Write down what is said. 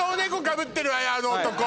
あの男！